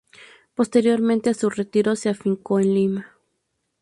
Posteriormente a su retiro se afincó en Lima.